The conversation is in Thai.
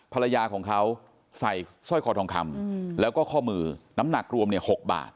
ภรรยาของเขาใส่สร้อยคอทองคำแล้วก็ข้อมือน้ำหนักรวม๖บาท